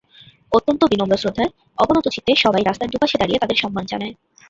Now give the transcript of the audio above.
অত্যন্ত বিনম্র শ্রদ্ধায় অবনতচিত্তে সবাই রাস্তার দুপাশে দাঁড়িয়ে তাদের সম্মান জানায়।